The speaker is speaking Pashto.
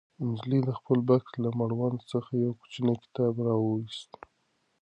نجلۍ د خپل بکس له مړوند څخه یو کوچنی کتاب راوویست.